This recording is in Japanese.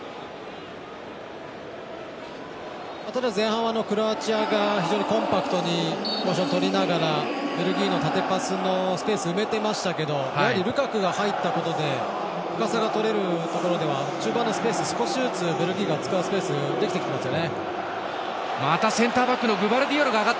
ただ前半はクロアチアが非常にコンパクトに場所をとりながらベルギーの縦パスのスペースを埋めてましたけどやはりルカクが入ったことで深さがとれるところでは中盤のスペースベルギーが使うスペースができてきましたよね。